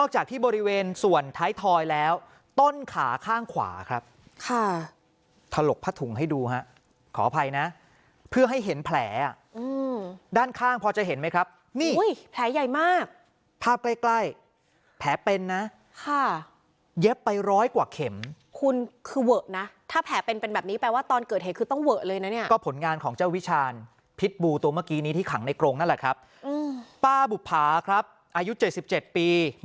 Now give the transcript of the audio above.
จากที่บริเวณส่วนไทยทอยแล้วต้นขาข้างขวาครับค่ะถลกผ้าถุงให้ดูฮะขออภัยนะเพื่อให้เห็นแผลอ่ะอืมด้านข้างพอจะเห็นไหมครับนี่อุ้ยแผลใหญ่มากภาพใกล้แผลเป็นนะค่ะเย็บไปร้อยกว่าเข็มคุณคือเวอะนะถ้าแผลเป็นเป็นแบบนี้แปลว่าตอนเกิดเหตุคือต้องเวอะเลยนะเนี่ยก็ผลงานของเจ้าวิชาณพิ